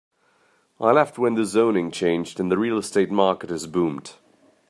I left when the zoning changed and the real estate market has boomed.